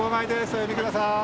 お読みください。